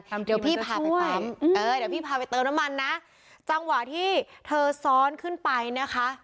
เดี๋ยวพี่พาไปปั๊มเออเดี๋ยวพี่พาไปเติมน้ำมันนะจังหวะที่เธอซ้อนขึ้นไปนะคะ